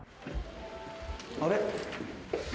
あれ？